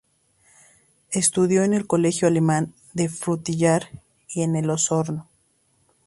Estudió en el Colegio Alemán de Frutillar y en el de Osorno.